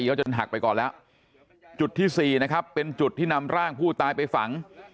เขาจนหักไปก่อนแล้วจุดที่สี่นะครับเป็นจุดที่นำร่างผู้ตายไปฝัง